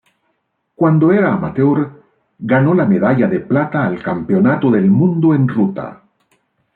Cuando era amateur ganó la medalla de plata al Campeonato del Mundo en ruta